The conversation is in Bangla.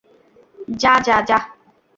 যা, যা, যা!